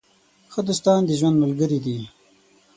ښه دوستان د ژوند ملګري دي.